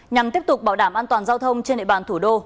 nhằm tiếp tục bảo đảm an toàn giao thông trên địa bàn thủ đô